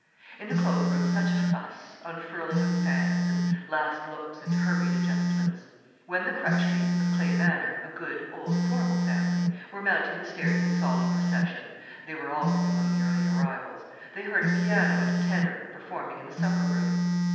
In the cloak room such a fuss, unfurling of fans, and last looks and hurried adjustments. When the Crutchleighs, of Clay Manor, a good, old, formal family, were mounting the stairs in solemn procession they were always among the early arrivals they heard a piano and a tenor performing in the supper room.